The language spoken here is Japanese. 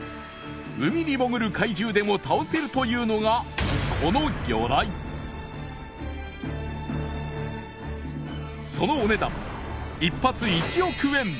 海に潜る怪獣でも倒せるというのがこの魚雷そのお値段１発１億円